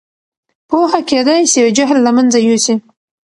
پوهه کېدای سي جهل له منځه یوسي.